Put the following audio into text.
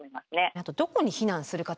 あとどこに避難するかとかって？